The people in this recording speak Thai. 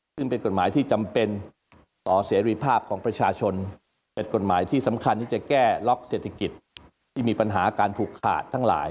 ซึ่งเป็นกฎหมายที่จำเป็นต่อเสรีภาพของประชาชนเป็นกฎหมายที่สำคัญที่จะแก้ล็อกเศรษฐกิจที่มีปัญหาการผูกขาดทั้งหลาย